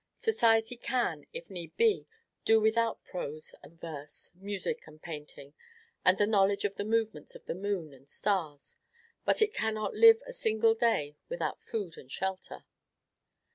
Society can, if need be, do without prose and verse, music and painting, and the knowledge of the movements of the moon and stars; but it cannot live a single day without food and shelter.